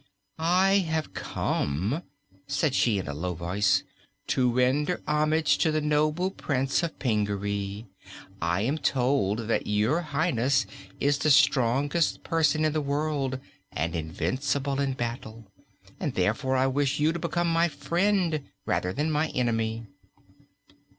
"I have come," said she in a low voice, "to render homage to the noble Prince of Pingaree. I am told that Your Highness is the strongest person in the world, and invincible in battle, and therefore I wish you to become my friend, rather than my enemy."